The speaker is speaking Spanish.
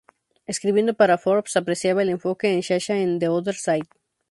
Escribiendo para "Forbes", apreciaba el enfoque en Sasha en "The Other Side".